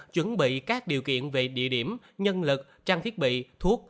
chuẩn bị các điều kiện về địa điểm nhân lực trang thiết bị thuốc